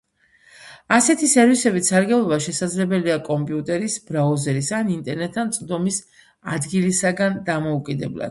ასეთი სერვისებით სარგებლობა შესაძლებელია კომპიუტერის, ბრაუზერის ან ინტერნეტთან წვდომის ადგილისაგან დამოუკიდებლად.